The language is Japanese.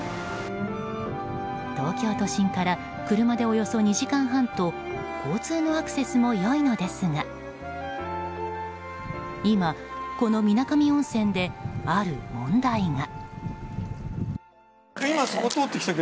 東京都心から車でおよそ２時間半と交通のアクセスも良いのですが今、この水上温泉である問題が。